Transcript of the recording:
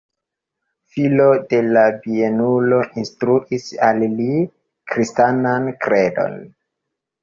Filo de la bienulo instruis al li kristanan kredon.